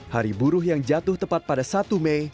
hari buruh yang jatuh tepat pada satu mei